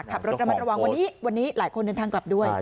ขับรถระมัดระวังวันนี้วันนี้หลายคนเดินทางกลับด้วย